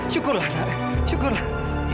syukurlah nak syukurlah